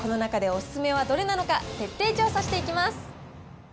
この中でおすすめはどれなのか、徹底調査していきます。